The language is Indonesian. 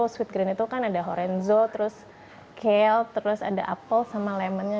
sweet green itu kan ada horenzo terus cale terus ada apple sama lemonnya